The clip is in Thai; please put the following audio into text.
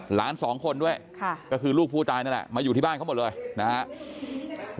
หลานสองคนด้วยก็คือลูกผู้ตายนั่นแหละมาอยู่ที่บ้านเขาหมดเลยนะครับ